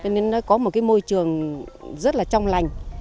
nên nó có một cái môi trường rất là trong lành